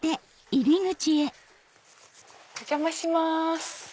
お邪魔します